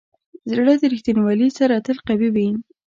زړه د ریښتینولي سره تل قوي وي.